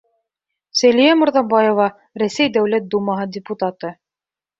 Сәлиә Мырҙабаева, Рәсәй Дәүләт Думаһы депутаты: